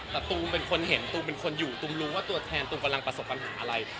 แต่ตูมเป็นคนเห็นตูมเป็นคนอยู่ตูมรู้ว่าตัวแทนตูมกำลังประสบปัญหาอะไร